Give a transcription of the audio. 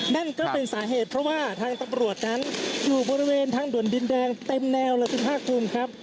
นั่นก็เป็นสาเหตุเพราะว่าทางตำรวจนั้นอยู่บริเวณทางด่วนดินแดงเต็มแนวเลยคุณภาคภูมิครับ